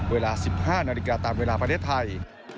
เวลา๑๕นาฬิกาตามเวลาประเทศไทย